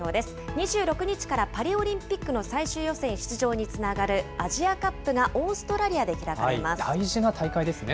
２６日からパリオリンピックの最終予選出場につながるアジアカッ大事な大会ですね。